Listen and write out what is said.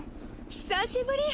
久しぶり！